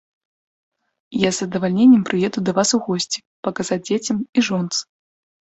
Я з задавальненнем прыеду да вас у госці, паказаць дзецям і жонцы.